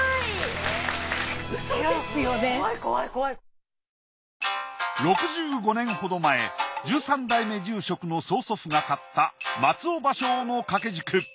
すごい！６５年ほど前１３代目住職の曽祖父が買った松尾芭蕉の掛軸。